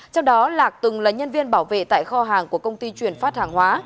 trong đó lạc từng là nhân viên bảo vệ tại kho hàng của công ty chuyển phát hàng hóa